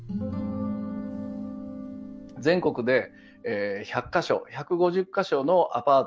全国で１００か所１５０か所のアパート。